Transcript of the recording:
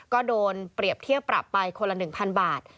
ก็โดนเปรียบเทียบปรับไปคนละ๑๐๐บาท